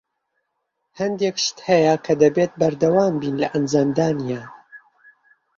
هەندێک شت هەیە کە دەبێت بەردەوام بین لە ئەنجامدانیان.